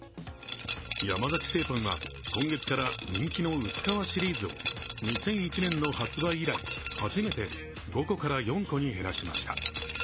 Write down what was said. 山崎製パンは、今月から人気の薄皮シリーズを２００１年の発売以来、初めて５個から４個に減らしました。